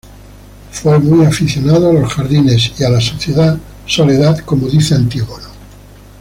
Fue muy aficionado a los jardines y a la soledad, como dice Antígono.